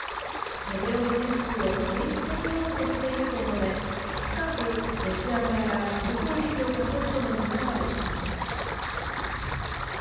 セベロドネツクを孤立させようとしていると述べ、近く、ロシア側が総攻撃をかけるとの見方を示しました。